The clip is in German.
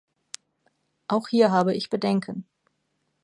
Auch hier habe ich Bedenken.